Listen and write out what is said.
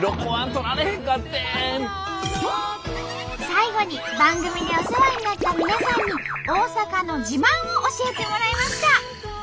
最後に番組でお世話になった皆さんに大阪の自慢を教えてもらいました！